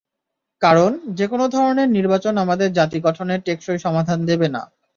কারণ, যেকোনো ধরনের নির্বাচন আমাদের জাতি গঠনে টেকসই সমাধান দেবে না।